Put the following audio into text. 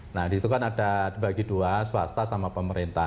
nah di situ kan ada dibagi dua swasta sama pemerintah